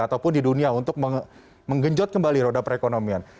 ataupun di dunia untuk menggenjot kembali roda perekonomian